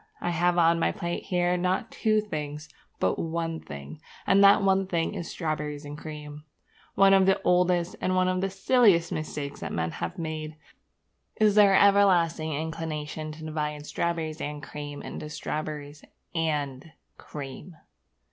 I have on my plate here, not two things, but one thing; and that one thing is strawberriesandcream. One of the oldest and one of the silliest mistakes that men have made is their everlasting inclination to divide strawberries and cream into strawberries and cream.